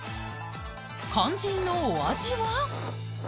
肝心のお味は？